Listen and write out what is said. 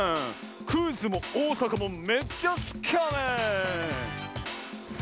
クイズもおおさかもめっちゃすきやねん！